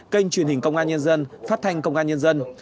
kênh truyền hình công an nhân dân phát thanh công an nhân dân